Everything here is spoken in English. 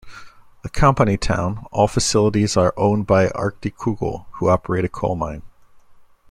A company town, all facilities are owned by Arktikugol, who operate a coal mine.